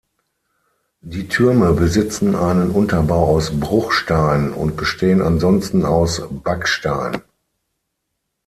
Die Türme besitzen einen Unterbau aus Bruchstein und bestehen ansonsten aus Backstein.